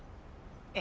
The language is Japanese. ええ。